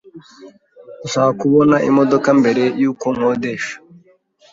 Ndashaka kubona imodoka mbere yuko nkodesha.